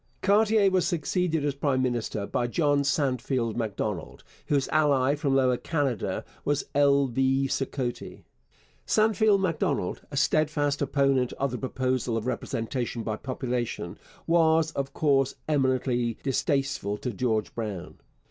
Cartier was succeeded as prime minister by John Sandfield Macdonald, whose ally from Lower Canada was L. V. Sicotte. Sandfield Macdonald, a steadfast opponent of the proposal of representation by population, was, of course, eminently distasteful to George Brown.